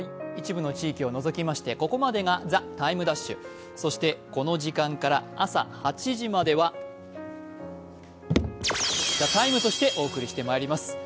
一部の地域を除きましてここまでが「ＴＨＥＴＩＭＥ’」、そしてこの時間から朝８時までは「ＴＨＥＴＩＭＥ’」としてお送りしてまいります。